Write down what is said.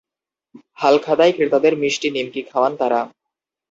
হালখাতায় ক্রেতাদের মিষ্টি নিমকি খাওয়ান তাঁরা।